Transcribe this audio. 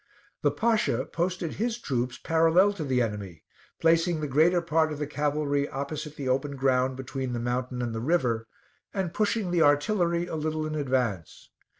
The Pasha posted his troops parallel to the enemy, placing the greater part of the cavalry opposite the open ground between the mountain and the river, and pushing the artillery a little in advance.